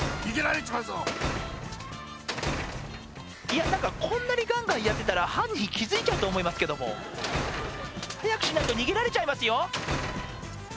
いや何かこんなにガンガンやってたら犯人気づいちゃうと思いますけども早くしないと逃げられちゃいますよ